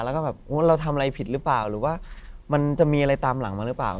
แล้วก็แบบเราทำอะไรผิดหรือเปล่าหรือว่ามันจะมีอะไรตามหลังมาหรือเปล่า